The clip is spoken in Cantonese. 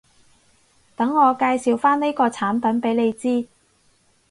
等我介紹返呢個產品畀你知